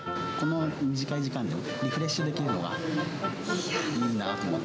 短い時間でリフレッシュできるのがいいなと思って。